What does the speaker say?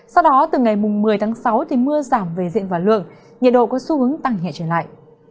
sau đó từ ngày một mươi tháng sáu thì mưa giảm về diện và lượng nhiệt độ có xu hướng tăng nhẹ trở lại